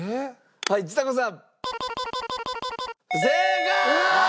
はいちさ子さん！